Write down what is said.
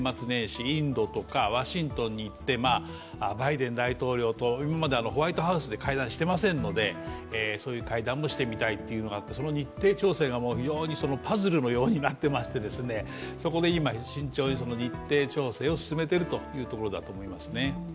インドとかワシントンに行って、バイデン大統領と今までホワイトハウスで会談してませんので、そういう会談もしてみたいというのがあってその日程調整がパズルのようになってましてそこで今、慎重に日程調整を進めているところだと思います。